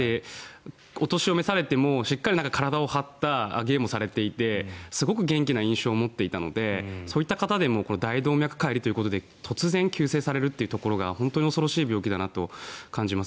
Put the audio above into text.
お年を召されても、しっかり体を張った芸もされていてすごく元気な印象を持っていたのでそういった方でも大動脈解離ということで突然、急逝されるところが本当に恐ろしい病気だなと感じます。